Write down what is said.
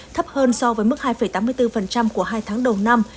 thấp hơn so với mức hai tám mươi bốn của hai tháng đầu năm